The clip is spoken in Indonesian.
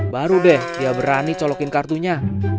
baru deh dia berani colokin kartunya